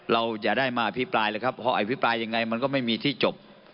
เราจะได้มาอภิปรายเลยครับพออภิปรายยังไงมันก็ไม่มีที่จบ